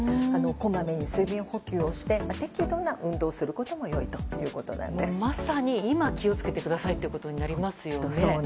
こまめに水分補給をして適度な運動をすることもまさに今気を付けてくださいということになりますよね。